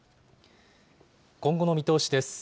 今後の見通しです。